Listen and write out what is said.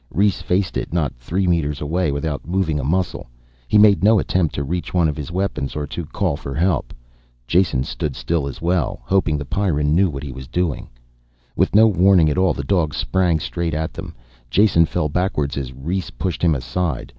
Rhes faced it, not three meters away, without moving a muscle. He made no attempt to reach one of his weapons or to call for help. Jason stood still as well, hoping the Pyrran knew what he was doing. With no warning at all the dog sprang straight at them. Jason fell backwards as Rhes pushed him aside.